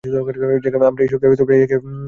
Jack, আমরা এই সপ্তাহে ওই একই ব্যাংকে তিনবার গিয়েছি।